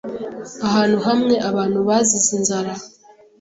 Ahantu hamwe, abantu bazize inzara.